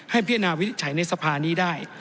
ให้พี่นาวินิจใช้ในสภานี้ได้